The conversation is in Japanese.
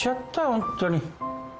ホントに。